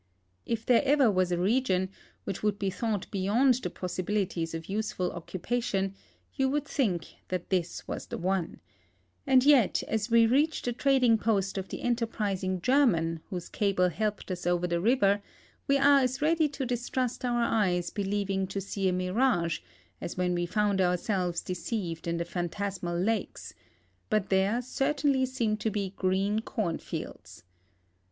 If there ever was a region Aviiich would be thought beyond the })ossil)ili ties of useful occupation, you would think that tins was the one ; and 3'et as we reach the trading post of the enterprising German whose cable helped us over the river we are as ready to distrust our eyes believing to see a mirage as when we found ourselves deceived in the phantasmal lakes, but there certainly seem to be green corn fields.